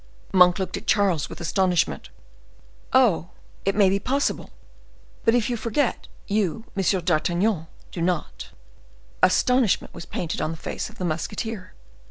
Monk looked at Charles with astonishment. "Oh! it may be possible; but if you forget, you, M. d'Artagnan, do not." Astonishment was painted on the face of the musketeer.